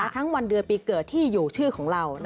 วันเดือนปีเกิดที่อยู่ชื่อของเรา